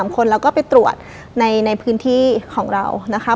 ๓คนเราก็ไปตรวจในพื้นที่ของเรานะคะ